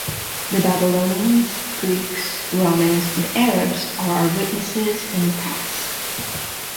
The Babylonians, Greeks, Romans, and Arabs are our witnesses in the past.